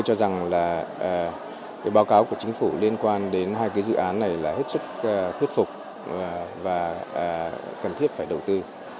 tôi cho rằng là báo cáo của chính phủ liên quan đến hai cái dự án này là hết sức thuyết phục và cần thiết phải đầu tư